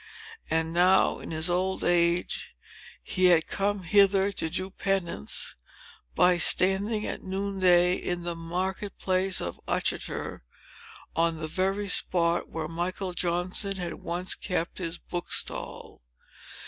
And now, in his old age, he had come hither to do penance, by standing at noon day in the market place of Uttoxeter, on the very spot where Michael Johnson had once kept his bookstall.